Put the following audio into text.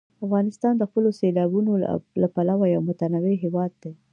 افغانستان د خپلو سیلابونو له پلوه یو متنوع هېواد دی.